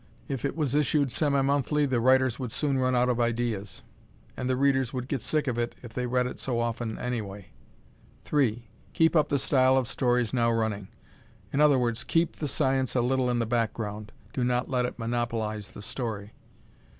If it was issued semi monthly the writers would soon run out of ideas; and the readers would get sick of it if they read it so often anyway. 3. Keep up the style of stories now running, i.e., keep the science a little in the background. Do not let it monopolize the story.